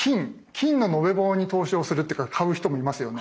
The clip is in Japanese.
金の延べ棒に投資をするというか買う人もいますよね。